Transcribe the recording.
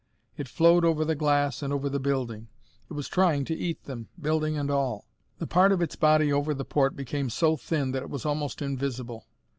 It flowed over the glass and over the building. It was trying to eat them, building and all! The part of its body over the port became so thin that it was almost invisible.